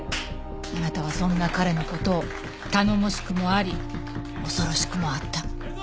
あなたはそんな彼の事を頼もしくもあり恐ろしくもあった。